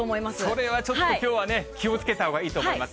それはちょっときょうはね、気をつけたほうがいいと思います